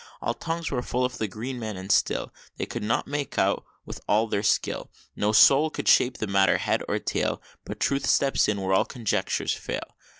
All tongues were full of the Green Man, and still They could not make him out with all their skill; No soul could shape the matter, head or tail But Truth steps in where all conjectures fail.